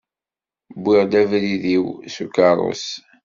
Wwiɣ abrid-iw s ukerrus.